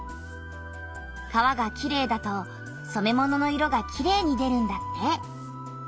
川がきれいだと染め物の色がきれいに出るんだって。